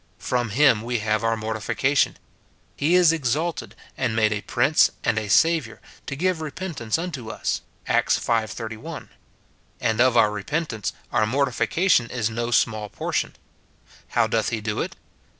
From him we have our mortification : He is ex alted and made a Prince and a Saviour, to give repent ance unto us. Acts v. 31 ; and of our repentance our mortification is no small portion. How doth he do it